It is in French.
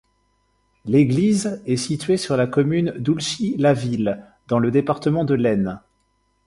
L'église est située sur la commune d'Oulchy-la-Ville, dans le département de l'Aisne.